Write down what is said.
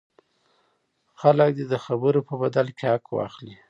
خلک دې د خبرو په بدل کې حق واخلي.